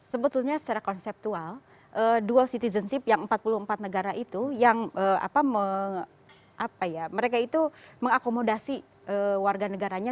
sebetulnya secara konseptual dual citizenship yang empat puluh empat negara itu yang mereka itu mengakomodasi warga negaranya